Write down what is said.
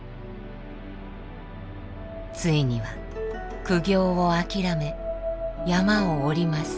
ついには苦行を諦め山を下ります。